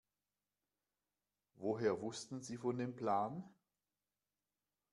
Woher wussten Sie von dem Plan?